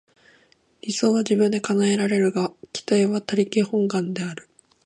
理想は自分で叶えられるが、期待は他力本願である。